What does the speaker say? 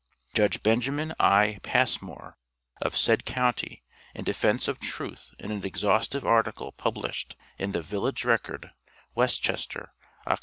Judge Benjamin I. Passmore, of said county, in defence of truth in an exhaustive article published in the "Village Record," West Chester, Oct.